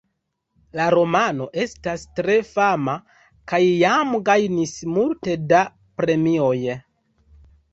La romano estas tre fama kaj jam gajnis multe da premioj.